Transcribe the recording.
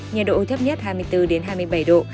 nhiệt độ thấp nhất hai mươi bốn hai mươi bảy độ